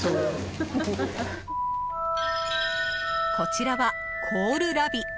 こちらは、コールラビ。